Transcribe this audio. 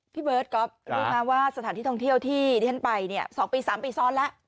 พี่เบิร์ดก็ว่าสถานที่ท่องเที่ยวที่ท่านไปเนี่ย๒ปี๓ปีซ้อนแล้ว